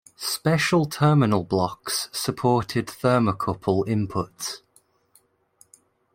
Special terminal blocks supported thermocouple inputs.